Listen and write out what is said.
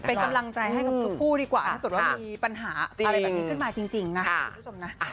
เป็นกำลังใจให้คุณผู้ดีกว่าถ้าตรวจว่ามีปัญหาอะไรแบบนี้ขึ้นมาจริงนะ